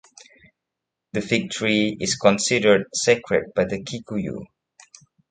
The fig tree is considered sacred by the Kikuyu.